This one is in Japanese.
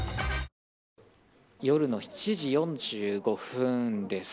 夜の７時４５分です。